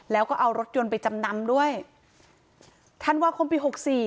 แล้วก็เอารถยนต์ไปจำนำด้วยธันวาคมปีหกสี่